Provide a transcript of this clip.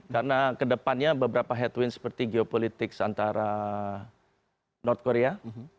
karena kedepannya beberapa headwind seperti geopolitik antara north korea